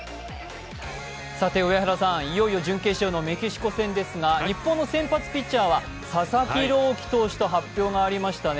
上原さん、いよいよ準決勝のメキシコですが日本の先発ピッチャーは佐々木朗希投手と発表がありましたね。